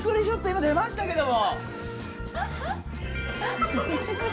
今出ましたけども。